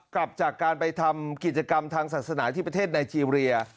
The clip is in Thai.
กลับจากการไปทำกิจกรรมทางศาสนาที่ประเทศไนเจรีย